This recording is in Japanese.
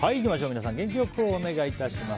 元気よくお願いします。